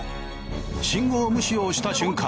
信号無視をした瞬間